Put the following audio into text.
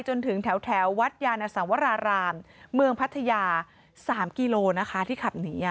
จนถึงแถววัดยานสังวรารามเมืองพัทยา๓กิโลนะคะที่ขับหนี